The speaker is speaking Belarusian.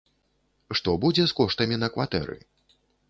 Што будзе з коштамі на кватэры?